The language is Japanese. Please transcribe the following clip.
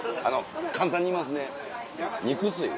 簡単に言いますね肉吸い！